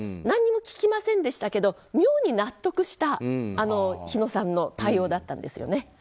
何も聞きませんでしたけど妙に納得した火野さんの対応だったんですよね。